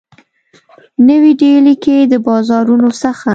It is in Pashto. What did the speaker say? نوي ډیلي کي د بازارونو څخه